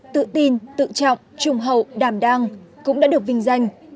tự tin tự trọng trùng hậu đảm đang cũng đã được vinh danh